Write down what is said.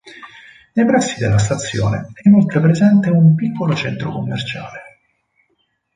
Nei pressi della stazione è inoltre presente un piccolo centro commerciale.